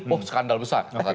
oh skandal besar